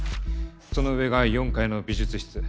その上が４階の美術室。